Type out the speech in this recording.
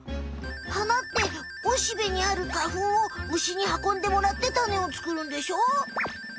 花ってオシベにある花ふんを虫にはこんでもらってタネを作るんでしょ？